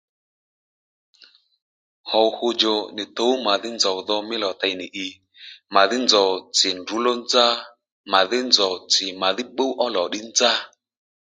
Hòw ɦuwdjò nì tǔw màdhí nzòw dho mí lò teynì i màdhí nzòw tsì ndrǔló nzá màdhí nzòw tsì màdhí pbúw ó lò ddí nzá